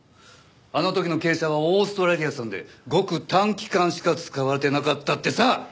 あの時の珪砂はオーストラリア産でごく短期間しか使われてなかったってさ！